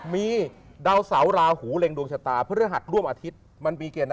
มีดาวเสาลาหูเร็งดวงชะตาพฤหัสร่วมอาทิตย์มันมีเกณฑ์